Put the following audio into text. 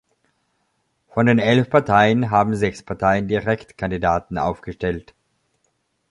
Von den elf Parteien haben sechs Parteien Direktkandidaten aufgestellt.